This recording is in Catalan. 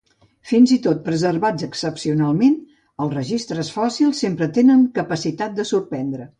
Fins i tot preservats excepcionalment, els registres fòssils sempre tenen capacitat de sorprendre.